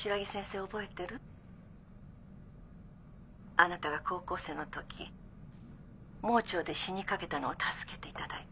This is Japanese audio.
あなたが高校生のとき盲腸で死にかけたのを助けていただいた。